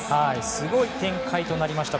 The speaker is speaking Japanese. すごい展開となりました